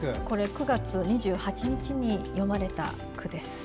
９月２８日に詠まれた句です。